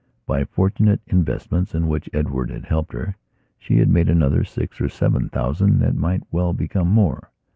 By fortunate investmentsin which Edward had helped hershe had made another six or seven thousand that might well become more.